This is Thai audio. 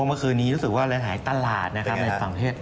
เมื่อคืนนี้รายถ่ายตลาดนะครับติดลบ